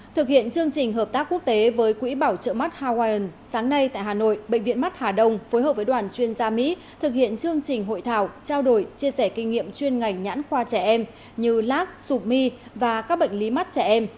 thực hiện chương trình hợp tác quốc tế với quỹ bảo trợ mắt hawaian sáng nay tại hà nội bệnh viện mắt hà đông phối hợp với đoàn chuyên gia mỹ thực hiện chương trình hội thảo trao đổi chia sẻ kinh nghiệm chuyên ngành nhãn khoa trẻ em như lác sụp my và các bệnh lý mắt trẻ em